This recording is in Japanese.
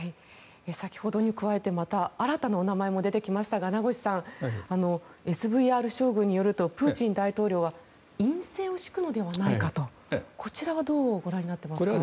先ほどに加えてまた新たな名前も出てきましたが名越さん、ＳＶＲ将軍によるとプーチン大統領は院政を敷くのではと、こちらはどうご覧になっていますか。